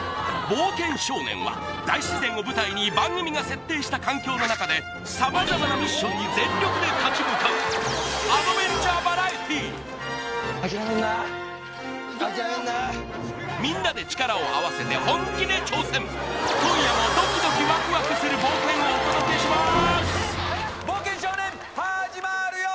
「冒険少年」は大自然を舞台に番組が設定した環境の中で様々なミッションに全力で立ち向かうみんなで力を合わせて本気で挑戦今夜もドキドキワクワクする冒険をお届けします